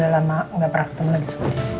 udah lama gak pernah ketemu lagi sama dia